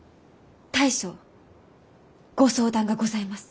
大将ご相談がございます。